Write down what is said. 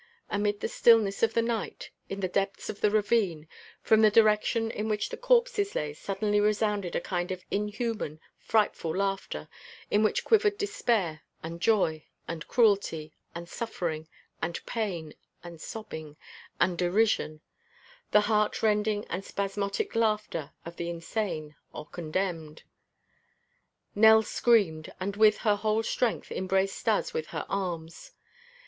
Amid the stillness of the night, in the depths of the ravine, from the direction in which the corpses lay suddenly resounded a kind of inhuman, frightful laughter in which quivered despair, and joy, and cruelty, and suffering, and pain, and sobbing, and derision; the heart rending and spasmodic laughter of the insane or condemned. Nell screamed, and with her whole strength embraced Stas with her arms.